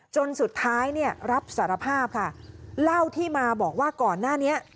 จนสุดท้ายเนี่ยรับสารภาพค่ะเล่าที่มาบอกว่าก่อนหน้านี้